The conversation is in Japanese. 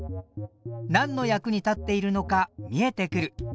なんの役に立っているのか見えてくる。